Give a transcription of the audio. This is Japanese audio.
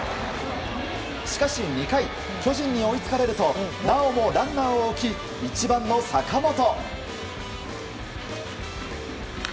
しかし２回巨人に追いつかれるとなおもランナーを置き１番の坂本。